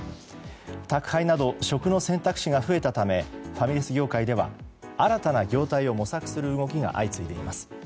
宅配など食の選択肢が増えたためファミレス業界では新たな業界を模索する動きが相次いでいます。